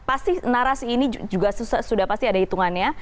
pasti narasi ini juga sudah pasti ada hitungannya